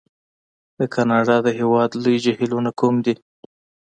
د کانادا د هېواد لوی جهیلونه کوم دي؟